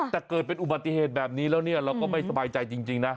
แต่เกิดเป็นอุบัติเหตุแบบนี้แล้วเนี่ยเราก็ไม่สบายใจจริงนะ